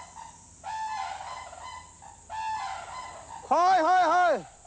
はいはいはい！